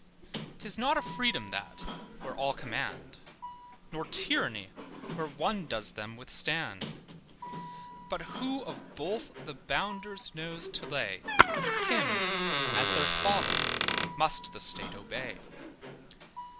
'Tis not a freedom, that where all command; Nor tyranny, where one does them withstand: But who of both the bounder knows to lay Him as their father must the state obey.